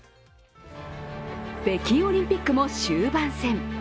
北京オリンピックも終盤戦。